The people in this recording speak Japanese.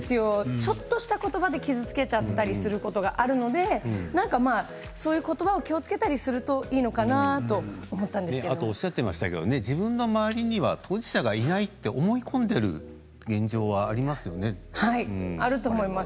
ちょっとしたことが、傷つけちゃったりすることがあるのでことばを気をつけたりするとおっしゃっていましたけど自分の周りには当事者がいないと思い込んでいる現状はあると思います。